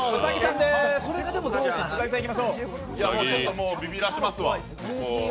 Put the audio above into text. もうビビらしますわ。